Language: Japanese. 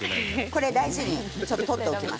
大事に取っておきます。